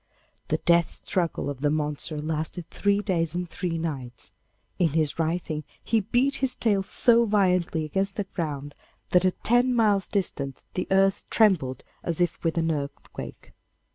The death struggle of the monster lasted three days and three nights; in his writhing he beat his tail so violently against the ground, that at ten miles' distance the earth trembled as if with an earthquake.